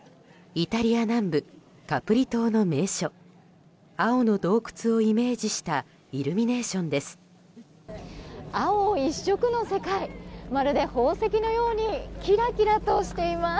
イタリア南部カプリ島の名所青の洞窟をイメージしたイルミネーションです。